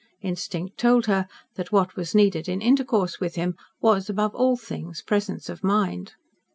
Instinct told her that what was needed in intercourse with him was, above all things, presence of mind.